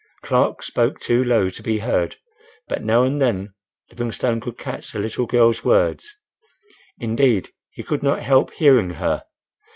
Clark spoke too low to be heard; but now and then, Livingstone could catch the little girl's words. Indeed, he could not help hearing her.